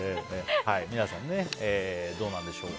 皆さん、どうなんでしょう。